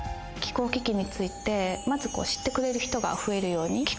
気候危機についてまず知ってくれる人が増えるように。